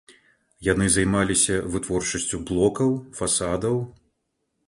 Яны займаліся вытворчасцю блокаў, фасадаў.